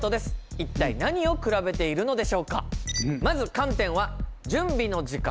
一体何を比べているのでしょうか？